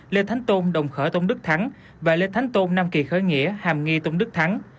lê thánh tôn đồng khởi tôn đức thắng và lê thánh tôn nam kỳ khởi nghĩa hàm nghi tôn đức thắng